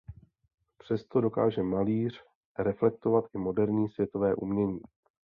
Přesto dokáže malíř reflektovat i moderní světové umění.